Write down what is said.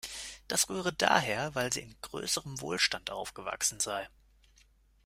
Das rühre daher, weil sie in größerem Wohlstand aufgewachsen sei.